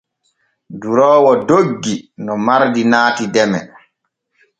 Duroowo doggi no mardi naati deme.